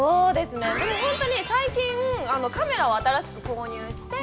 本当に最近カメラを新しく購入して。